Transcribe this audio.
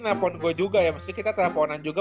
nelpon gue juga ya